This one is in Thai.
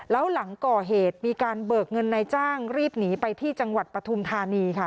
แล้วหลังก่อเหตุมีการเบิกเงินนายจ้างรีบหนีไปที่จังหวัดปฐุมธานีค่ะ